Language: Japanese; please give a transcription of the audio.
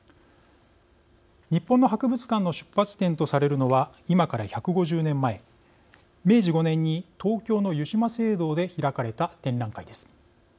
日本の博物館の出発点とされるのは、今から１５０年前明治５年に東京の湯島聖堂で開かれた展覧会です。